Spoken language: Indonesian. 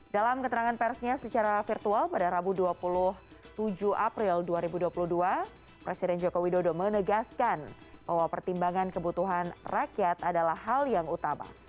dalam keterangan persnya secara virtual pada rabu dua puluh tujuh april dua ribu dua puluh dua presiden joko widodo menegaskan bahwa pertimbangan kebutuhan rakyat adalah hal yang utama